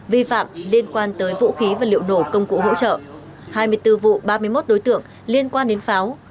vi phạm liên quan tới vũ khí vật liệu nổ công cụ hỗ trợ hai mươi bốn vụ ba mươi một đối tượng liên quan đến pháo